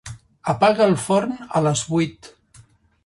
Apaga el forn a les vuit.